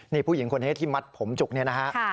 นี่ผู้หญิงคนนี้ที่มัดผมจุกเนี่ยนะฮะ